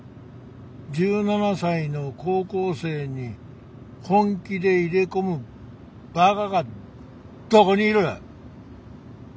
１７才の高校生に本気で入れ込むバカがどこにいる！